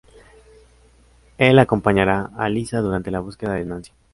El acompañara a Alyssa durante la búsqueda de Nancy.